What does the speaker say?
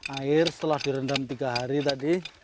air setelah direndam tiga hari tadi